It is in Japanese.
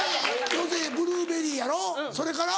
要するにブルーベリーやろそれから？